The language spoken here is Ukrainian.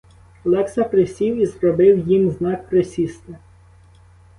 Олекса присів і зробив їм знак присісти.